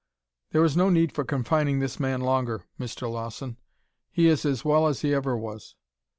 "There is no need for confining this man longer, Mr. Lawson. He is as well as he ever was.